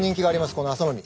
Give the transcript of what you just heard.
この麻の実。